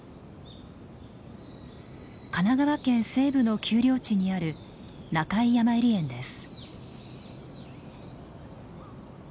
神奈川県西部の丘陵地にある中井やまゆり園です。